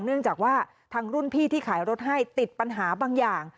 เนื่องจากว่าทางรุ่นพี่ที่ขายรถให้ติดปัญหาบางอย่าง